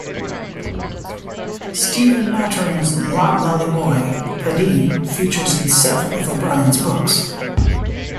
Stephen Maturin's loblolly boy, Padeen, features in several of O'Brian's books.